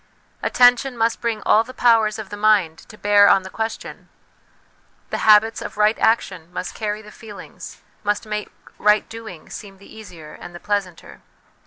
At tention must bring all the powers of the mind to bear THE WILL CONSCIENCE DIVINE LIFE 335 on the question ; habits of right action must carry the feelings, must make right doing seem the easier and the pleasanter.